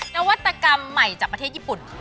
นวัตกรรมใหม่จากประเทศญี่ปุ่น